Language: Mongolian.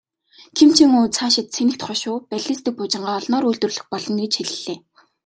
Ким Чен Ун цаашид цэнэгт хошуу, баллистик пуужингаа олноор үйлдвэрлэх болно гэж хэллээ.